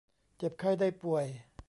เจ็บไข้ได้ป่วย